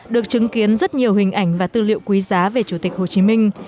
được chứng kiến rất nhiều hình ảnh và tư liệu quý giá về chủ tịch hồ chí minh